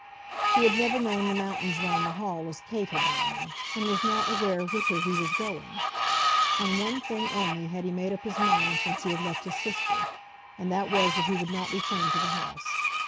He had never known the mountains round the Hall as Kate had known them, and was not aware whither he was going. On one thing only had he made up his mind since he had left his sister, and that was that he would not return to the house.